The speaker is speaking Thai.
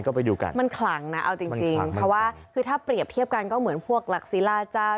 ก็ไปดูกันมันขลังนะเอาจริงจริงเพราะว่าคือถ้าเปรียบเทียบกันก็เหมือนพวกหลักศิลาเจ้า